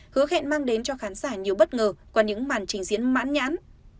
hứa hẹn mang đến cho khán giả nhiều bất ngờ qua những màn trình diễn mãn nhãn